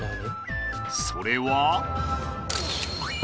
それは。